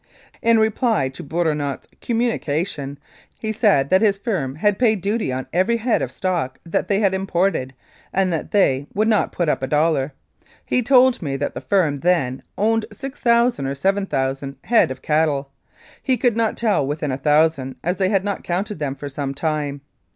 In reply to Bourinot's communication, he said that his firm had paid duty on every head of stock that they had imported, and that they "would not put up a dollar." He told me that the firm then owned 6,000 or 7,000 head of cattle ; he could not tell within a thou sand as they had not counted them for some time.